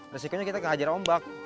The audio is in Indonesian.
risikonya kita menghajar ombak